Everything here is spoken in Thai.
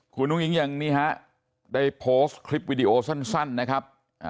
คุณอุ้งอิ๊งยังนี่ฮะได้โพสต์คลิปวิดีโอสั้นนะครับ